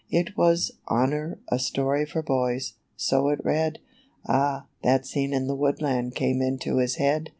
It was "Honor : A Story for Boys," so it read; Ah, that scene in the woodland came into his head!